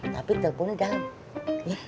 tapi teleponnya dalam